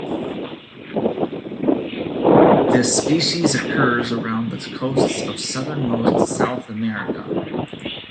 This species occurs around the coasts of southernmost South America.